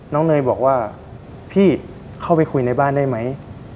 เนยบอกว่าพี่เข้าไปคุยในบ้านได้ไหม